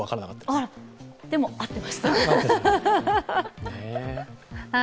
でも、合ってました。